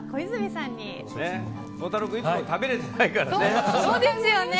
孝太郎君いつも食べられてないからね。